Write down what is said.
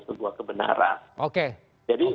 sebuah kebenaran jadi